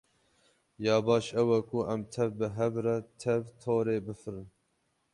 Ya baş ew e ku em tev bi hev re tev torê bifirin.